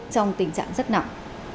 trong tình trạng rất nặng